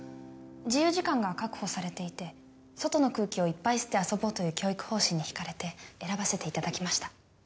自由時間が確保されていて外の空気をいっぱい吸って遊ぼうという教育方針に引かれて選ばせていただきました。